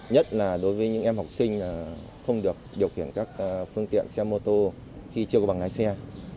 nhất là đối với những em học sinh không được điều khiển các phương tiện xe mô tô khi chưa có bằng lái xe